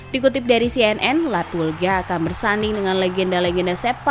dikutip dari cnn la pulga akan bersanding dengan legenda legenda sepak papak